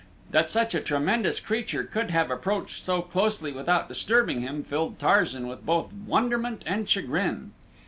That such a tremendous creature could have approached so closely without disturbing him filled Tarzan with both wonderment and chagrin.